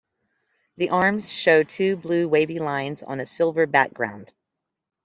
The arms show two blue wavy lines on a silver background.